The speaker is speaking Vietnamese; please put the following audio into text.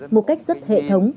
một cách rất hệ thống